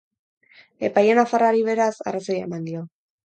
Epaile nafarrari beraz, arrazoia eman dio.